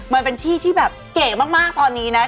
มันเป็นที่ที่แบบเก๋มากตอนนี้นะ